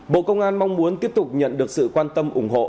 bộ công an mong muốn tiếp tục nhận được sự quan tâm ủng hộ